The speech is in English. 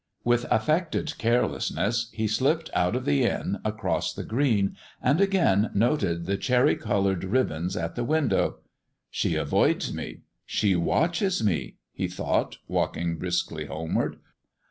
With affected carelessness he slipped out of the inn across the green, and again noted the cherry coloured ribbons at the window. " She avoids me ; she watches me," he thought, walking briskly homeward.